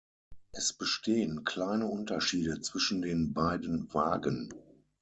Es bestehen kleine Unterschiede zwischen den beiden Wagen.